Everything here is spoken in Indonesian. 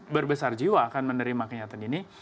berbesar jiwa akan menerima kenyataan ini